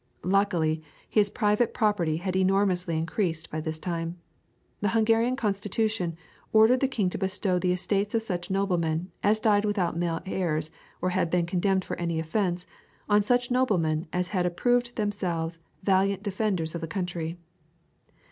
Luckily his private property had enormously increased by this time. The Hungarian Constitution ordered the king to bestow the estates of such noblemen, as died without male heirs or had been condemned for any offence, on such noblemen as had approved themselves valiant defenders of the country.